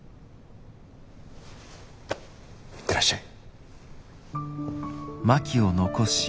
行ってらっしゃい。